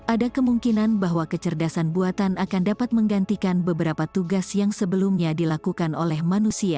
ada kemungkinan bahwa kecerdasan buatan akan dapat menggantikan beberapa tugas yang sebelumnya dilakukan oleh manusia